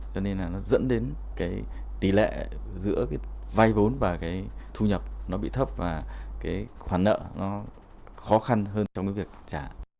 cho nên là nó dẫn đến cái tỷ lệ giữa cái vay vốn và cái thu nhập nó bị thấp và cái khoản nợ nó khó khăn hơn trong cái việc trả